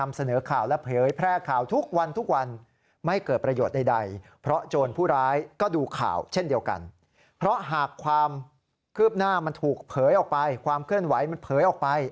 มันเผยออกไปความเคลื่อนไหวมันเผยออกไป